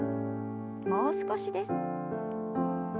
もう少しです。